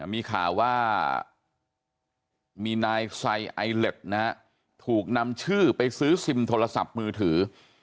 มีข่าวว่ามีนายไซไอเล็ตนะฮะถูกนำชื่อไปซื้อซิมโทรศัพท์มือถือ